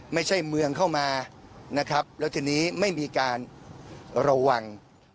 ไม่ใช่เมืองเข้ามานะครับแล้วทีนี้ไม่มีการระวัง